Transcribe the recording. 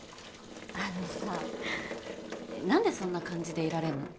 あのさなんでそんな感じでいられんの？